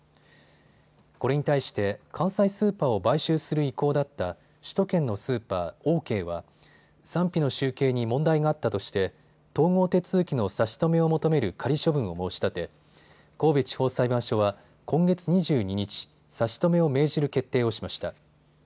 これに対して関西スーパーを買収する意向だった首都圏のスーパー、オーケーは賛否の集計に問題があったとして統合手続きの差し止めを求める仮処分を申し立て神戸地方裁判所は今月２２日、差し止めを命じる決定をしました。